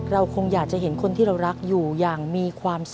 เราคงอยากจะเห็นคนที่เรารักอยู่อย่างมีความสุข